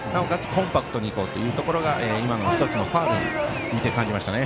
コンパクトにいこうというところが１つのファウルに見て感じましたね。